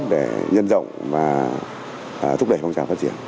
để nhân rộng và thúc đẩy phong trào phát triển